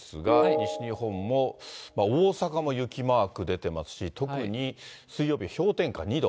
西日本も、大阪も雪マーク出ていますし、特に水曜日は氷点下２度。